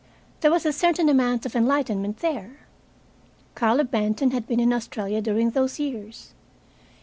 There was a certain amount of enlightenment there. Carlo Benton had been in Australia during those years.